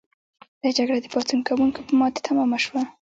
دا جګړه د پاڅون کوونکو په ماتې تمامه شوه.